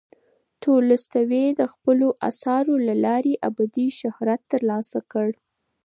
تولستوی د خپلو اثارو له لارې ابدي شهرت ترلاسه کړ.